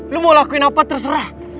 lo mau lakuin apa terserah